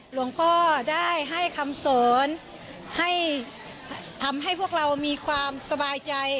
หลวงพ่อได้ให้คำสอนให้ทำให้พวกเรามีความสบายใจ